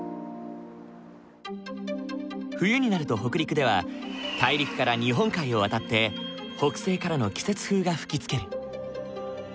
冬になると北陸では大陸から日本海を渡って北西からの季節風が吹きつける。